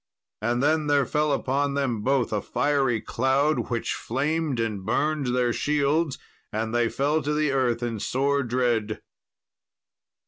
And then there fell upon them both a fiery cloud, which flamed and burned their shields, and they fell to the earth in sore dread.